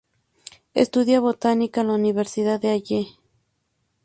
Estudia botánica en la Universidad de Halle.